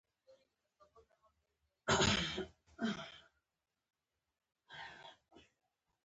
فکر نه کوم چې د ده هومره ژمن څوک و.